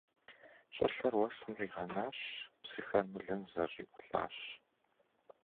ЩӀылъэр уэсым щӀигъэнащ, псыхэр мылым зэщӀиӀулӀащ.